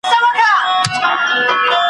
وخت به پر تڼاکو ستا تر کلي دروستلی یم `